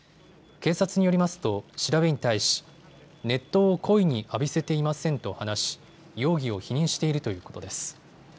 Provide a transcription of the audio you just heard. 警察によりますと調べに対し熱湯を故意に浴びせていませんと話し、容疑を否認しているということです。